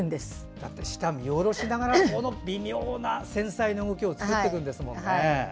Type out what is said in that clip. だって下を見下ろしながらこの微妙な、繊細な動きを作っていくんですもんね。